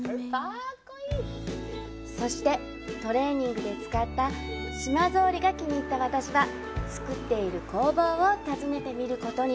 そして、トレーニングで使った島ぞうりが気に入った私は、作っている工房を訪ねてみることに。